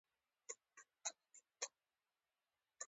د زمري په خوله کې مه پرېږده خپل همت.